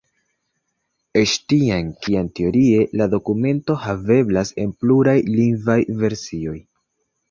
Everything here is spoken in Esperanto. Eĉ tiam, kiam teorie la dokumento haveblas en pluraj lingvaj versioj.